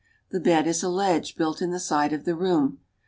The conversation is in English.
The bed is a ledge, built in the side of the room.